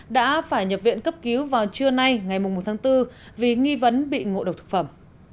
đã phải nhập viện cấp cứu vào trưa nay ngày một tháng bốn vì nghi vấn bị ngộ độc thực phẩm